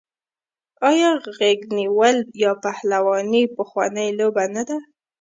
آیا غیږ نیول یا پهلواني پخوانۍ لوبه نه ده؟